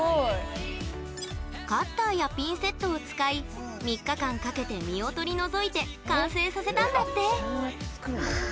カッターやピンセットを使い３日間かけて身を取り除いて完成させたんだって。